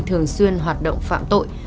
thường xuyên hoạt động phạm tội